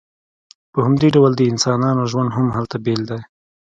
په همدې ډول د انسانانو ژوند هم هلته بیل دی